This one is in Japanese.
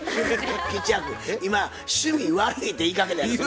吉弥君今趣味悪いって言いかけたやろ。